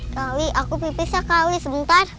kak ali aku pipis ya kak ali sebentar